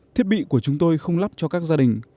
thiết bị của chúng tôi không lắp cho các gia đình